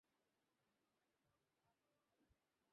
তুমি রণাঙ্গনে মুসলমানদের কি করতে পেরেছিলে?